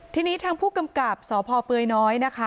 ทีนี้ทางผู้กำกับสพเปลือยน้อยนะคะ